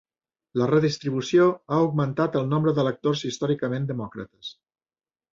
La redistribució ha augmentat el nombre d'electors històricament demòcrates.